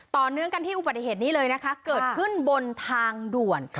ต่อเนื่องกันที่อุบัติเหตุนี้เลยนะคะเกิดขึ้นบนทางด่วน